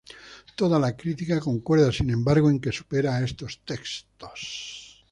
Toda la crítica concuerda sin embargo en que supera a estos textos.